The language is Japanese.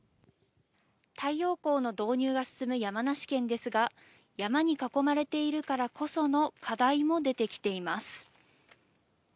太陽光の導入が進む山梨県ですが、山に囲まれているからこその課題も出てきています。